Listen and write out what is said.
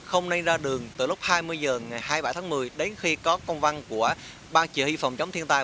không nên ra đường từ lúc hai mươi h ngày hai mươi bảy tháng một mươi đến khi có công văn của ban chỉ huy phòng chống thiên tai